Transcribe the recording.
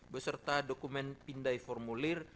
beserta dokumen pindai formulir